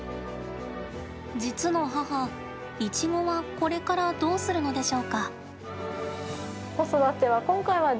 実の母、イチゴはこれからどうするのでしょうか？